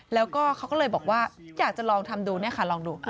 แล้วก็เขาก็เลยบอกว่าอยากจะลองทำดูเนี่ยค่ะลองดู